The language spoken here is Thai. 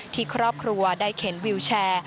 ที่ครอบครัวได้เข็นวิวแชร์